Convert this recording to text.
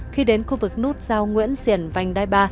khi đến khu vực nút giao nguyễn xiển vành đai ba